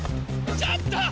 ちょっと！